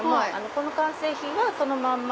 この完成品はそのまんま。